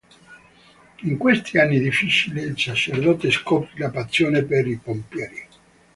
In questi anni difficili il sacerdote scoprì la passione per i pompieri.